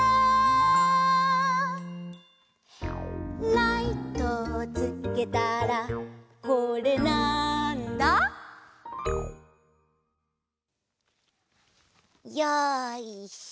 「ライトをつけたらこれ、なんだ？」よいしょ！